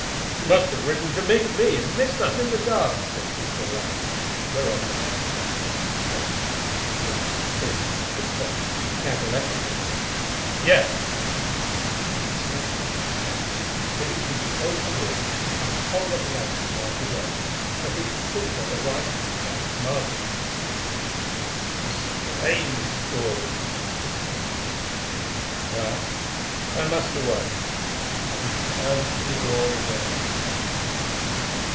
"She must have ridden to meet me, and missed us in the dark," said Peter aloud, whereon the man asked whether he spoke to Master Brome, since, if so, he had a letter for him. "Yes," answered Peter, and snatched it from his hand, bidding him close the door and hold up the lantern while he read, for he could see that the writing was that of Margaret. "A strange story," he muttered, as he finished it. "Well, I must away," and he turned to the door again.